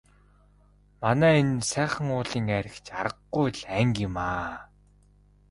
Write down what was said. Манай энэ Сайхан уулын айраг ч аргагүй л анги юмаа.